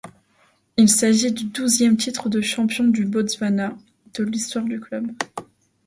Il s’agit du douzième titre de champion du Botswana de l’histoire du club.